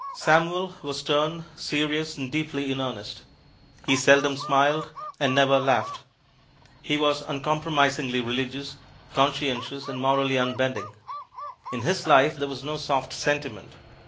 Samuel was stern, serious and deeply in earnest. He seldom smiled and never laughed. He was uncompromisingly religious, conscientious and morally unbending. In his life there was no soft sentiment.